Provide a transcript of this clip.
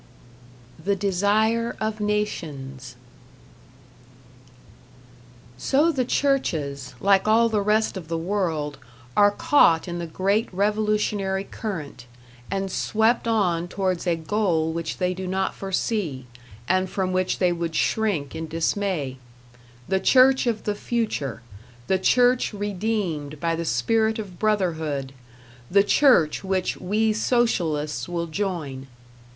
#The Desire of Nations# So the churches, like all the rest of the world, are caught in the great revolutionary current, and swept on towards a goal which they do not forsee, and from which they would shrink in dismay: the Church of the future, the Church redeemed by the spirit of Brotherhood, the Church which we Socialists will join.